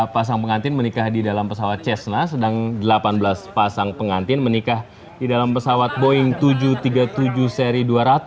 pasang pengantin menikah di dalam pesawat cessna sedang delapan belas pasang pengantin menikah di dalam pesawat boeing tujuh ratus tiga puluh tujuh seri dua ratus